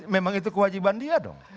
memang itu kewajiban dia dong